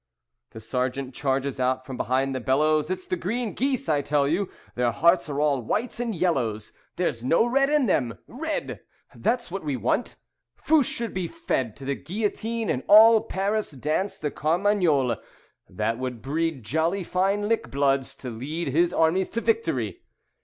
The Sergeant charges out from behind the bellows. "It's the green geese, I tell you, Their hearts are all whites and yellows, There's no red in them. Red! That's what we want. Fouche should be fed To the guillotine, and all Paris dance the carmagnole. That would breed jolly fine lick bloods To lead his armies to victory."